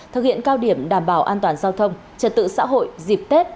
thực hiện cao điểm đảm bảo an toàn giao thông trật tự xã hội dịp tết